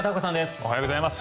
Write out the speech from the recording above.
おはようございます。